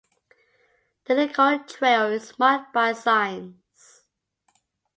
The Lincoln trail is marked by signs.